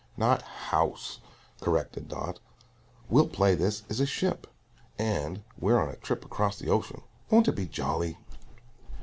"Not house," corrected Dot; "we'll play this is a ship, and we're on a trip across the ocean. Won't it be jolly?"